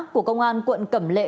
của công an quận cẩm lệ